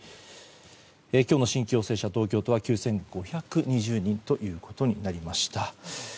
今日の新規陽性者、東京都は９５２０人ということになりました。